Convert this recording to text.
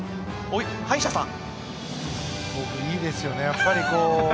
いいですよね。